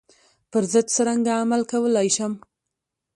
پر ضد څرنګه عمل کولای شم.